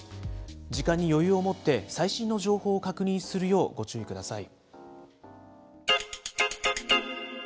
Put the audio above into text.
時間に余裕を持って、最新の情報を確認するようご注意ください。